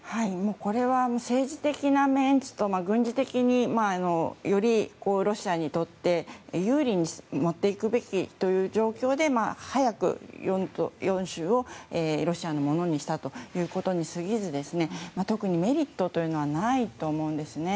これは政治的なメンツと軍事的によりロシアにとって有利に持っていくべきという状況で早く４州をロシアのものにしたということに過ぎず特にメリットというのはないと思うんです。